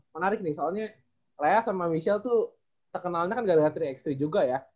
menarik nih soalnya lea sama michelle tuh terkenalnya kan gak lihat tiga x tiga juga ya